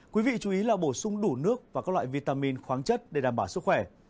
quý vị chú ý là bổ sung đủ nước và các loại vitamin khoáng chất để đảm bảo sức khỏe